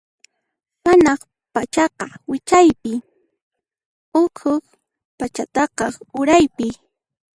Hanaq pachaqa wichaypi, ukhu pachataq uraypi.